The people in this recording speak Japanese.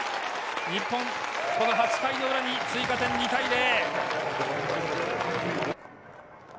日本、８回の裏に追加点２対０。